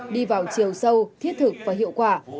đi vào chiều sâu thiết thực và hiệu quả